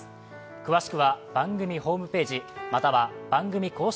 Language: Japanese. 詳しくは番組ホームページ、または番組公式